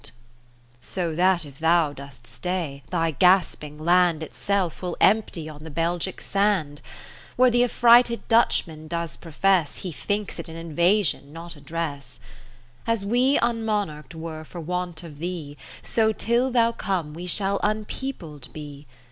Kath lerine Philip^ So that if thou dost stay, thy gasping land Itself will empty on the Belgic sand : lo Where the affrighted Dutchman does profess He thinks it an invasion, not address. As we unmonarch'd were for want of thee, So till thou come we shall unpeopled be.